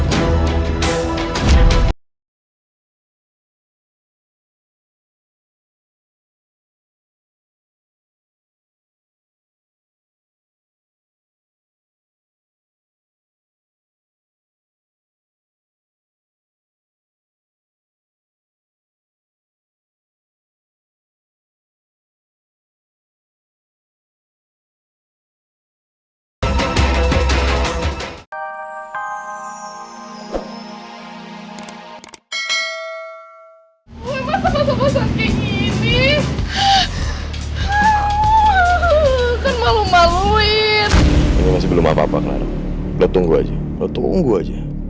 gak apa apa clara lo tunggu aja lo tunggu aja